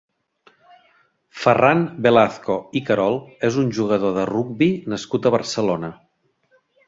Ferran Velazco i Querol és un jugador de rugbi nascut a Barcelona.